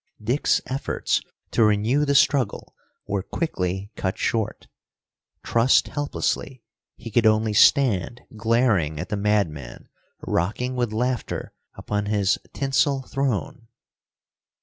Dick's efforts to renew the struggle were quickly cut short. Trussed helplessly, he could only stand glaring at the madman rocking with laughter upon his tinsel throne.